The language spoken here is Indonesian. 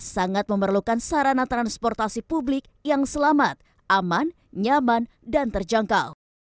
sangat memerlukan sarana transportasi publik yang selamat aman nyaman dan terjangkau